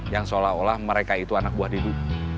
yang seolah olah mereka itu anak buah didu